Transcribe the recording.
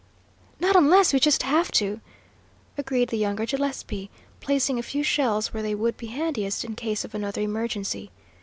"Not unless we just have to," agreed the younger Gillespie, placing a few shells where they would be handiest in case of another emergency.